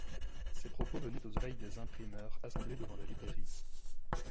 Ces propos venaient aux oreilles des imprimeurs assemblés devant la librairie.